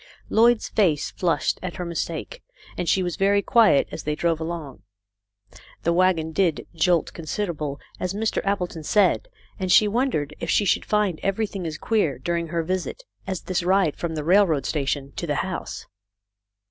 Lloyd's face flushed at her mistake, and she was very quiet as they drove along. The wagon did "jolt considerable," as Mr. Appleton said, and she wondered if she should find everything as queer during her visit as this ride from the railroad station to the house.